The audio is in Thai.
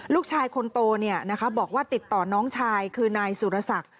ลูกชายคนโตบอกว่าติดต่อน้องชายคือนายสุรศักดิ์